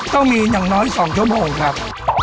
ต้องมีอย่างน้อย๒ชั่วโมงครับ